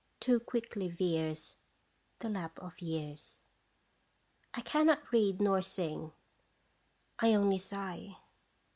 Too quickly veers The lapse of years. 1 cannot read nor sing I only sigh.